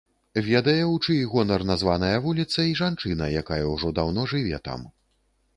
Ведае, у чый гонар названая вуліца, і жанчына, якая ўжо даўно жыве там.